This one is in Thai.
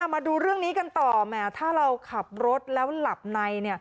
มาดูเรื่องนี้กันต่อแหมถ้าเราขับรถแล้วหลับใน